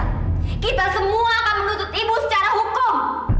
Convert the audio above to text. kita semua akan menuntut ibu secara hukum